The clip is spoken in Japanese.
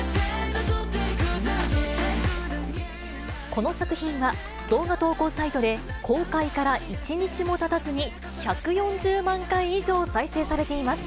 この作品は、動画投稿サイトで、公開から１日もたたずに、１４０万回以上再生されています。